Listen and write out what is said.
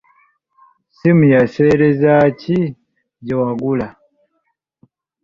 Ssimu ya sseereza ki gye wagula?